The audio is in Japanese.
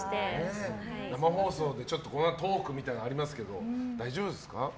生放送で、このあとトークとかありますけど大丈夫ですか？